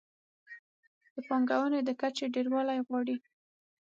د پانګونې د کچې ډېروالی غواړي.